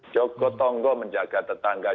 jogotongo menjaga tetangga